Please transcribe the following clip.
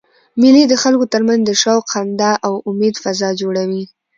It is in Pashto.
مېلې د خلکو ترمنځ د شوق، خندا او امېد فضا جوړوي.